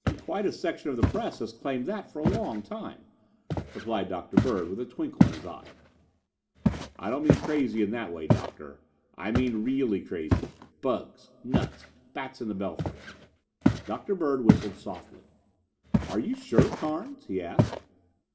"Quite a section of the press has claimed that for a long time," replied Dr. Bird, with a twinkle in his eye. "I don't mean crazy in that way, Doctor, I mean really crazy. Bugs! Nuts! Bats in his belfry!" Dr. Bird whistled softly. "Are you sure, Carnes?" he asked.